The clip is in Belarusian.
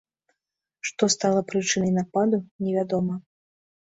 Што стала прычынай нападу, невядома.